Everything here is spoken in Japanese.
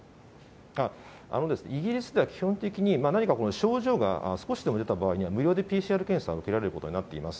イギリスでは基本的に何か症状が、少しでも出た場合には無料でＰＣＲ検査受けられることになっています。